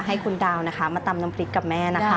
ให้คุณดาวนะคะมาตำน้ำพริกกับแม่นะคะ